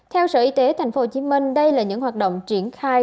theo sở y tế tp hcm đây là những hoạt động triển khai